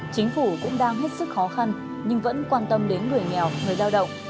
chính phủ cũng đang hết sức khó khăn nhưng vẫn quan tâm đến người nghèo người lao động